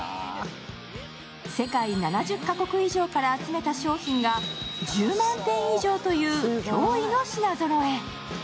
世界７０か国以上から集めた商品が１０万点以上という驚異の品ぞろえ。